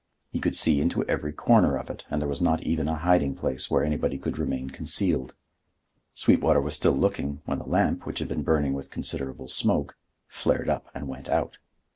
He could see into every corner of it and there was not even a hiding place where anybody could remain concealed. Sweetwater was still looking, when the lamp, which had been burning with considerable smoke, flared up and went out.